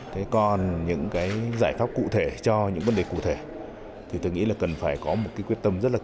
thế còn những cái giải pháp cụ thể cho những vấn đề cụ thể thì tôi nghĩ là cần phải có một cái quyết tâm rất là